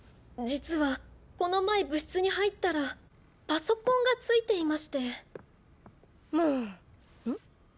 実はこの前部室に入ったらパソコンがついていまして。